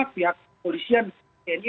pihak polisi tni